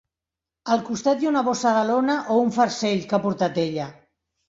Al costat hi ha una bossa de lona, o un farcell, que ha portat ella.